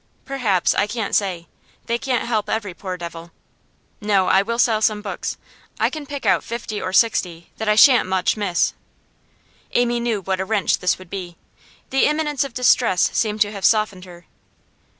'Perhaps; I can't say. They can't help every poor devil. No; I will sell some books. I can pick out fifty or sixty that I shan't much miss.' Amy knew what a wrench this would be. The imminence of distress seemed to have softened her.